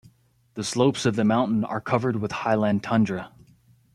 The slopes of the mountain are covered with highland tundra.